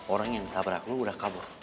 orang yang tabrak lo udah kabur